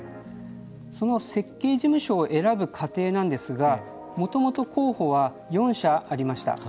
その設計事務所を選ぶ過程なんですがもともと候補は４社ありました。